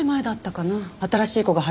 新しい子が入ったの。